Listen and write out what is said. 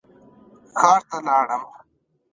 ښار ته لاړم.